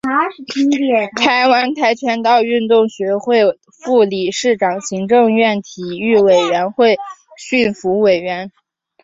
台湾跆拳道运动学会副理事长行政院体育委员会训辅委员